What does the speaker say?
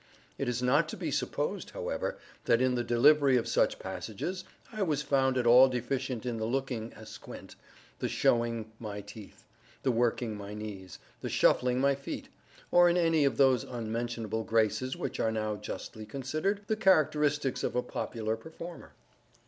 It is not to be supposed, however, that in the delivery of such passages I was found at all deficient in the looking asquint—the showing my teeth—the working my knees—the shuffling my feet—or in any of those unmentionable graces which are now justly considered the characteristics of a popular performer.